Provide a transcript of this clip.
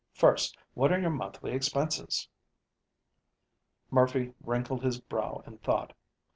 First, what are your monthly expenses?" Murphy wrinkled his brow in thought.